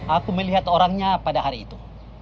aku melihat orangnya pada hari itu